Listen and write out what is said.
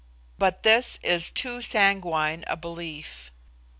But this is too sanguine a belief.